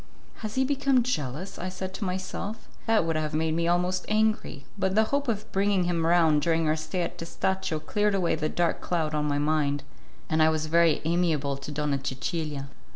"Has he become jealous?" I said to myself; that would have made me almost angry, but the hope of bringing him round during our stay at Testaccio cleared away the dark cloud on my mind, and I was very amiable to Donna Cecilia.